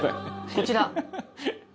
こちら。